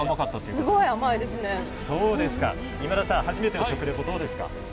今田さん、初めての食リポどうですか？